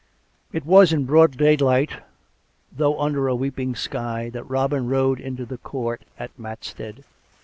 It was in broad daylight, though under a weeping sky, that Robin rode into the court at Matstead.